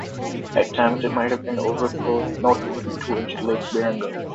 At times it might have overflowed northward towards Lake Baringo.